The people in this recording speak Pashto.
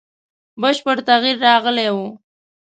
بشپړ تغییر راغلی وو.